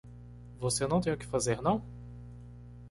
Você não tem o que fazer não?